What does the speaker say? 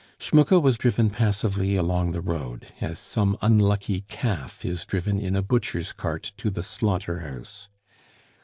Schmucke was driven passively along the road, as some unlucky calf is driven in a butcher's cart to the slaughter house.